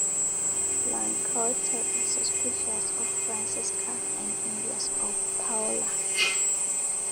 Lanceotto is suspicious of Francesca and envious of Paolo.